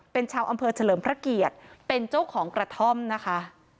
เป็นชาวอำเภอเฉลิมพระเกียรติเป็นเจ้าของกระท่อมนะคะ